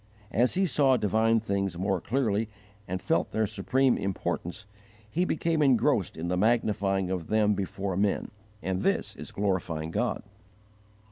As he saw divine things more clearly and felt their supreme importance, he became engrossed in the magnifying of them before men; and this is glorifying God.